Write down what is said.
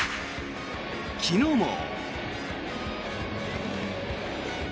昨日も。